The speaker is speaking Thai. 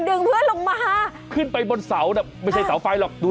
ดึงเพื่อนลงมาขึ้นไปบนเสาน่ะไม่ใช่เสาไฟหรอกดู